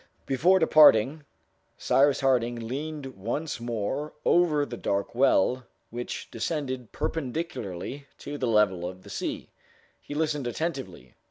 Before departing, Cyrus Harding leaned once more over the dark well, which descended perpendicularly to the level of the sea. He listened attentively.